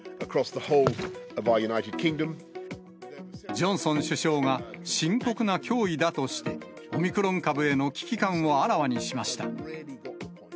ジョンソン首相が深刻な脅威だとして、オミクロン株への危機感をあらわにしました。